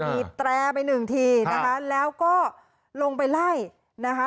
ีดแตรไปหนึ่งทีนะคะแล้วก็ลงไปไล่นะคะ